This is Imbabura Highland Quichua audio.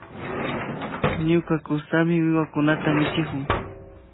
Ñuka kusami wiwakunata michikun